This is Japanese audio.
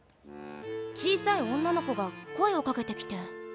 小さい女の子が声をかけてきて。